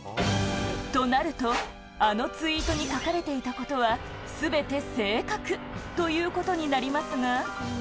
となると、あのツイートに書かれていたことは、すべて正確ということになりますが。